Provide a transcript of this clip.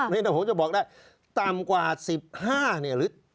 นี่ถ้าผมจะบอกได้ต่ำกว่า๑๕เนี่ยหรือ